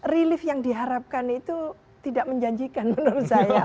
relief yang diharapkan itu tidak menjanjikan menurut saya